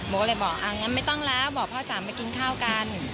ก็เลยบอกอ่างั้นไม่ต้องแล้วบอกพ่อจ๋ามากินข้าวกัน